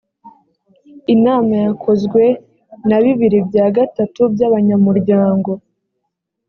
inama yakozwe na bibiri bya gatatu by’abanyamuryango